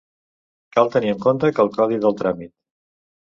Cal tenir en compte que el codi del tràmit.